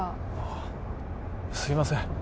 ああすいません